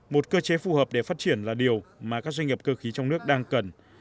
một cơ chế phù hợp để phát triển là điều mà các doanh nghiệp cơ khí trong nước đang cần